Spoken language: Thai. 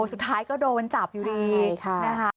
สุดท้ายก็โดนจับอยู่ดีนะคะ